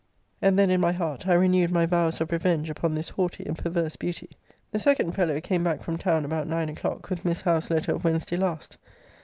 And then, in my heart, I renewed my vows of revenge upon this haughty and perverse beauty. The second fellow came back from town about nine o'clock, with Miss Howe's letter of Wednesday last.